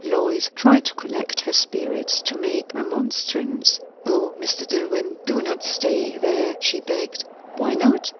Lois tried to collect her spirits to make remonstrance. "O, Mr. Dillwyn, do not stay there!" she begged. "Why not?